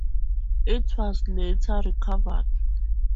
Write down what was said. It was later recovered.